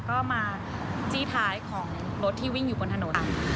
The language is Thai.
ก็มาจี้ท้ายของรถที่วิ่งอยู่บนถนน